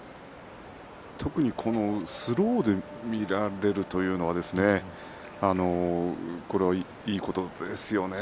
特にスローで見られるというのはこれは、いいことですよね。